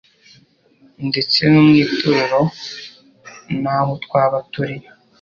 ndetse no mu itorero n'aho twaba turi